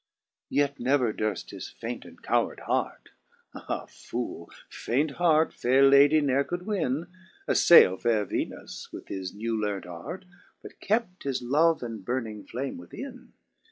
I. }KV never durft his faint and coward heart (Ah, Foole ! faint heart faire lady ne're could win) Aflaile faire Venus with his new learnt arte. But kept his love and burning flame within.